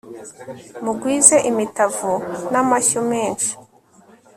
mugwize imitavu n'amashyo menshi